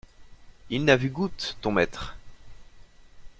Il n'a vu goutte, ton maître!